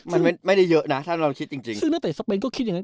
มันไม่ได้เยอะนะถ้าเราคิดจริงจริงซึ่งนักเตะสเปนก็คิดอย่างเ